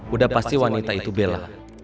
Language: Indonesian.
udah pasti wanita itu bela